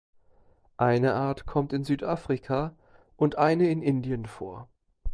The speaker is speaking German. Eine Art kommt in Südafrika und eine in Indien vor.